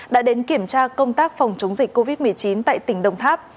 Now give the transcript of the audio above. đã đến kiểm tra công tác phòng chống dịch covid một mươi chín tại tỉnh đồng tháp